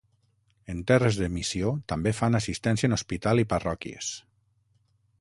En terres de missió també fan assistència en hospital i parròquies.